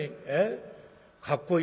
えっ？